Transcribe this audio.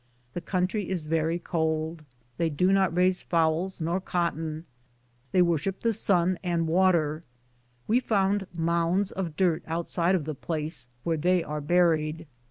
The country is very cold; they do not raise fowls nor cotton ; they worship the sit, Google THE JOURNEY OF COROMADO sun and water. We found mounds of dirt outside of the place, where they are buried.